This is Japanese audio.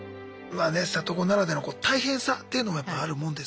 里子ならではの大変さっていうのもやっぱあるもんですか？